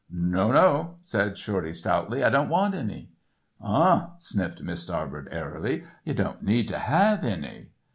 "No, no," said Shorty, stoutly, "I don't want any." "Hoh," sniffed Miss Starbird airily, "you don't need to have any."